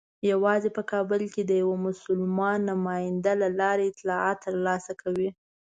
یوازې په کابل کې د یوه مسلمان نماینده له لارې اطلاعات ترلاسه کوي.